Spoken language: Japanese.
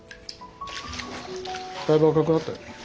だいぶ赤くなったね。